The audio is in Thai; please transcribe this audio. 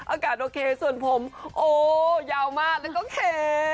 อากาศโอเคส่วนผมโอ้ยาวมากแล้วก็เค